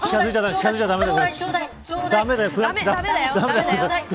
近づいちゃ駄目だよ。